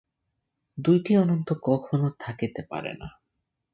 দুইটি অনন্ত কখনও থাকিতে পারে না।